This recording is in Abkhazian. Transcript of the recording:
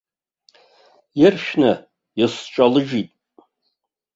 Иршәны исҿалыжьит.